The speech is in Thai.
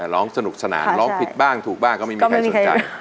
ร้องสนุกสนานร้องผิดบ้างถูกบ้างก็ไม่มีใครสนใจ